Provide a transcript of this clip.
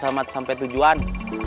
selamat sampai tujuan